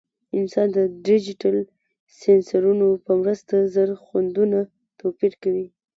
انسان د ډیجیټل سینسرونو په مرسته زر خوندونه توپیر کوي.